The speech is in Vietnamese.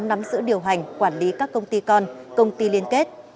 nắm giữ điều hành quản lý các công ty con công ty liên kết